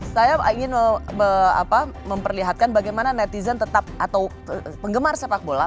saya ingin memperlihatkan bagaimana netizen tetap atau penggemar sepak bola